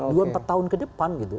dua empat tahun ke depan gitu